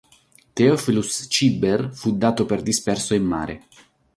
Theophilus Cibber fu dato per disperso in mare.